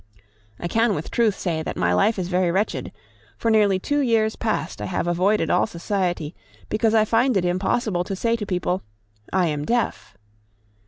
I can with truth say that my life is very wretched; for nearly two years past I have avoided all society, because I find it impossible to say to people, _I am deaf!